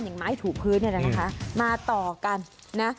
อย่างไม้ถูกพื้นอย่างนั้นนะคะมาต่อกันนะ